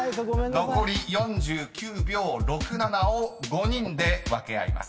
［残り４９秒６７を５人で分け合います］